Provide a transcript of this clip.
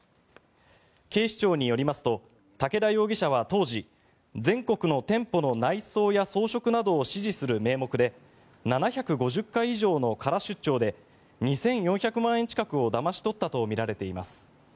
警視庁によりますと武田容疑者は当時全国の店舗の内装や装飾などを指示する名目で７５０回以上の空出張で２４００万円近くをだまし取ったとみられています。